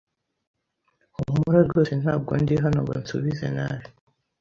Humura rwose ntabwo ndi hano ngo nsubize nabi